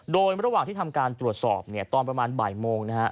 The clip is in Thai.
โดยระหว่างที่ทำการตรวจสอบตอนประมาณบ่ายโมงนะฮะ